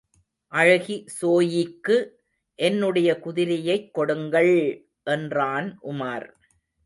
அழகி ஸோயிக்கு என்னுடைய குதிரையைக் கொடுங்கள்! என்றான் உமார்.